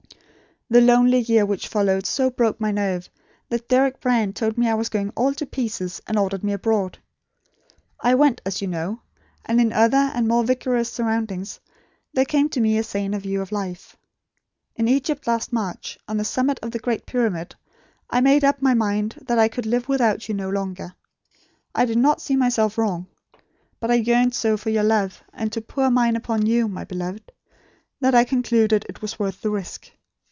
"The lonely year which followed so broke my nerve, that Deryck Brand told me I was going all to pieces, and ordered me abroad. I went, as you know; and in other, and more vigorous, surroundings, there came to me a saner view of life. In Egypt last March, on the summit of the Great Pyramid, I made up my mind that I could live without you no longer. I did not see myself wrong; but I yearned so for your love, and to pour mine upon you, my beloved, that I concluded it was worth the risk.